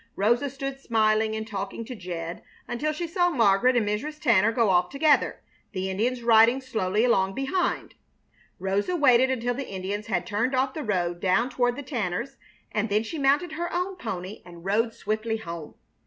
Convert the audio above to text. Rosa stood smiling and talking to Jed until she saw Margaret and Mrs. Tanner go off together, the Indians riding slowly along behind. Rosa waited until the Indians had turned off the road down toward the Tanners', and then she mounted her own pony and rode swiftly home.